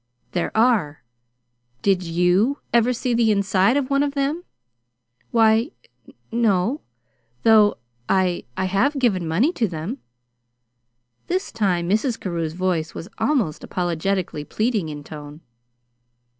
"There are. Did you ever see the inside of one of them?" "Why, n no; though I I have given money to them." This time Mrs. Carew's voice was almost apologetically pleading in tone.